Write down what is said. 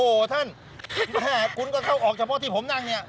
โอ้โหท่านแม่คุณก็เข้าออกเฉพาะที่ผมนั่งเนี่ย